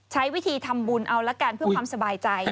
ใช้วิธีทำบุญเอาละกันเพื่อความสบายใจ